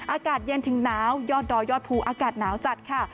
อากาศเย็นถึงหนาวยอดดอยยอดภูอากาศหนาวจัดค่ะ